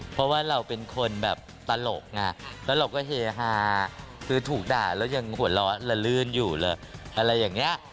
เพราะว่าเราเป็นคนแบบตลกแล้วเราก็เฮฮาคือถูกด่าแล้วยังหัวเราะละลื่นอยู่เลยอะไรอย่างนี้